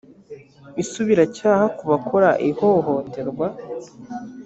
isubiracyaha ku bakora ihohoterwa